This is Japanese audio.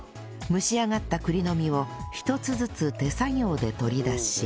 蒸し上がった栗の実を一つずつ手作業で取り出し